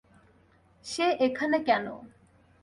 সে এখানে কেন?